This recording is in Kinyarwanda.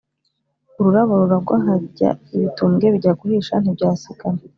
Ururabo ruragwa hajya ibitumbwe, Bijya guhisha ntibyasigana